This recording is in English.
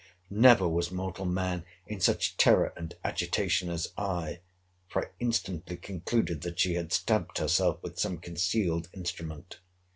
Never was mortal man in such terror and agitation as I; for I instantly concluded, that she had stabbed herself with some concealed instrument.